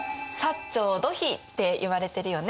薩長土肥っていわれてるよね。